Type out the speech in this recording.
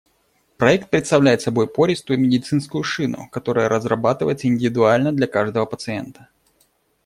Проект представляет собой пористую медицинскую шину, которая разрабатывается индивидуально для каждого пациента.